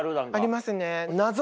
ありますね。